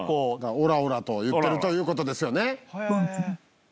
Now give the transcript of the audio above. オラオラと言ってるという事ですよね。